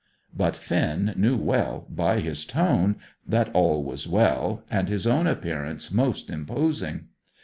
But Finn knew well, by his tone, that all was well, and his own appearance most imposing.